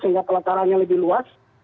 sehingga pelatarannya lebih luas